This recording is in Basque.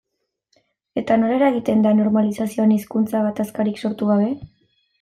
Eta nola eragiten da normalizazioan hizkuntza gatazkarik sortu gabe?